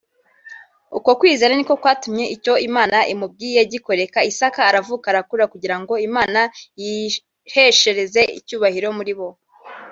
ukwo kwizera nikwo kwatumye icyo Imana imubwiye gikoreka Isaka aravuka arakura kugira ngo Imana yiheshereze icyubahiro muri bo